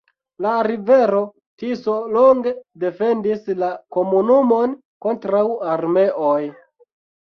La rivero Tiso longe defendis la komunumon kontraŭ armeoj.